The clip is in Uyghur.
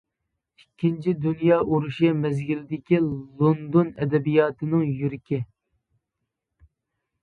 ئىككىنچى دۇنيا ئۇرۇشى مەزگىلىدىكى لوندون ئەدەبىياتىنىڭ يۈرىكى.